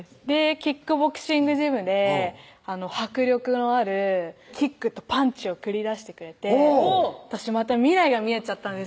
キックボクシングジムで迫力のあるキックとパンチを繰り出してくれて私また未来が見えちゃったんです